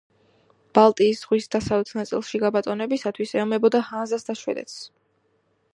ბალტიის ზღვის დასავლეთ ნაწილში გაბატონებისათვის ეომებოდა ჰანზას და შვედეთს.